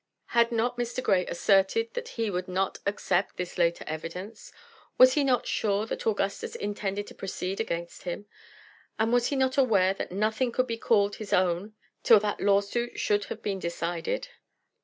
Had not Mr. Grey asserted that he would not accept this later evidence? Was he not sure that Augustus intended to proceed against him? and was he not aware that nothing could be called his own till that lawsuit should have been decided?